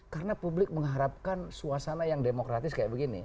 karena publik mengharapkan suasana yang demokratik